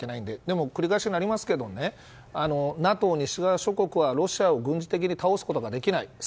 でも繰り返しになりますがＮＡＴＯ、西側諸国はロシアを軍事的に倒すことができない。